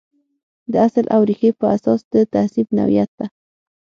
د اصل او ریښې په اساس د تهذیب نوعیت ته.